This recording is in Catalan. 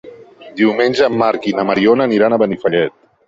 Diumenge en Drac i na Mariona iran a Benifallet.